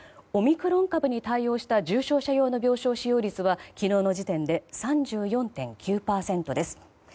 オミクロン株に対応した重症者用の病床使用率は昨日の時点で３４．９％です。